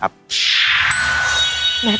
ขอบคุณด้วยค่ะ